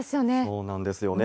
そうなんですよね。